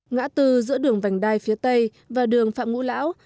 ngã tư giữa đường vành đai phía tây và đường phạm ngũ lão